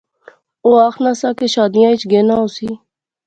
اوہ آخنا سا کہ شادیاں اچ گینا ہوسی